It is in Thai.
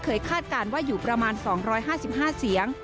คาดการณ์ว่าอยู่ประมาณ๒๕๕เสียง